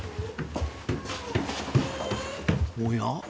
おや？